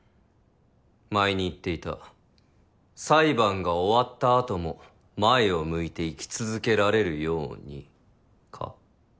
前に言っていた「裁判が終わった後も前を向いて生き続けられるように」か？